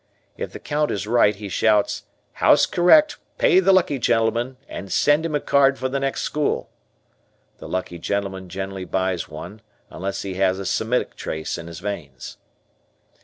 If the count is right he shouts, "House correct, pay the lucky gentleman, and sell him a card for the next school." The "lucky gentleman" generally buys one unless he has a Semitic trace in his veins.